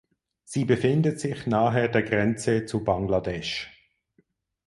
Sie befindet sich nahe der Grenze zu Bangladesch.